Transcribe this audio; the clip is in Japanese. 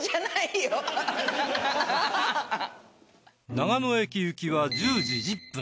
長野駅行きは１０時１０分。